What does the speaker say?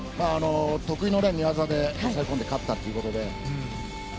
得意の寝技で抑え込んで勝ったということで。